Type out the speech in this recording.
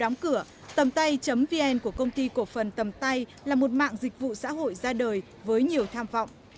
đóng cửa tầmtay vn của công ty cổ phần tầm tây là một mạng dịch vụ xã hội ra đời với nhiều tham vọng